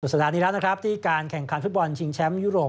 สัปดาห์นี้แล้วนะครับที่การแข่งขันฟุตบอลชิงแชมป์ยุโรป